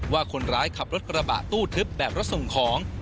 ว่าคนร้ายขับรถกระบะตู้ทึบแบบรถส่งของ